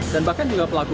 dan bahkan juga pelakon